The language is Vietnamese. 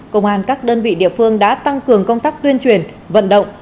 công an các đơn vị địa phương đã tăng cường công tác tuyên truyền vận động